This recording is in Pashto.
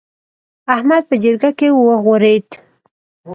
احمد په جرګه کې وغورېد.